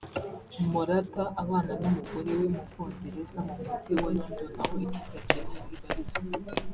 Morata abana n’umugore we mu Bwongereza mu mugi wa London aho ikipe ya Chelsea ibarizwa